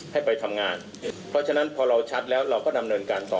ให้ไปทำงานเพราะฉะนั้นพอเราชัดแล้วเราก็ดำเนินการต่อ